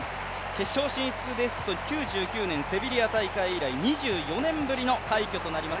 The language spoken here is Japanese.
決勝進出ですと９９年セビリア大会以来、２４年ぶりの快挙となります